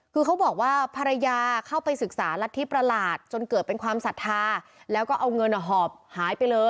คือเขาบอกว่าภรรยาเข้าไปศึกษารัฐทิประหลาดจนเกิดเป็นความสัทธา